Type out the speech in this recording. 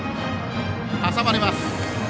挟まれます。